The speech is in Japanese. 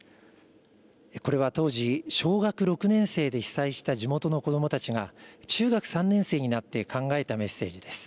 これは当時、小学６年生で被災した地元の子どもたちが、中学３年生になって考えたメッセージです。